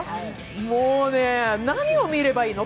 もうね、何を見ればいいの？